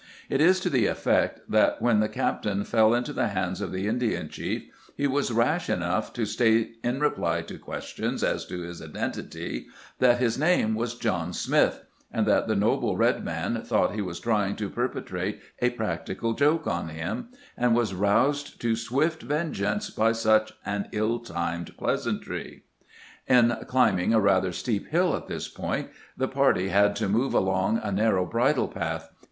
It is to the effect that, when the captain fell into the hands of the Indian chief, he was rash enough to state, in reply to questions as to his identity, that his name was " John Smith "; and that the noble red man thought he was trying to perpetrate a practical joke on him, and was roused to swift vengeance by such an ill timed pleasantry. WHERE POCAHONTAS SAVED JOHN SMITH 229 In climbing a rather steep hill at this point, the party had to move along a narrow bridle path.